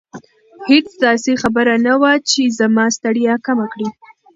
هیڅ داسې خبره نه وه چې زما ستړیا کمه کړي.